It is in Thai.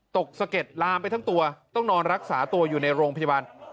สะเก็ดลามไปทั้งตัวต้องนอนรักษาตัวอยู่ในโรงพยาบาล